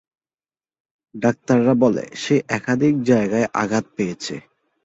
ডাক্তাররা বলে সে একাধিক জায়গায় আঘাত পেয়েছে।